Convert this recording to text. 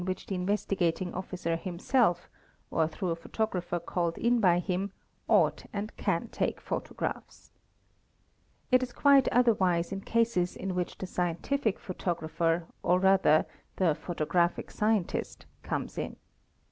which the Investigating Officer himself, or through a photographer called in by him, ought and can take photographs. It is quite otherwise in cases in which the scientific photographer or rather the photographic scientist comes in.